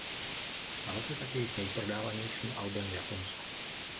Stalo se tak jejich nejprodávanějším albem v Japonsku.